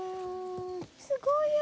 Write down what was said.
すごいよ。